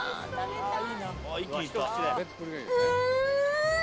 うん！